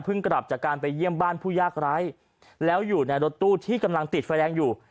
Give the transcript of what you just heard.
กลับจากการไปเยี่ยมบ้านผู้ยากไร้แล้วอยู่ในรถตู้ที่กำลังติดไฟแดงอยู่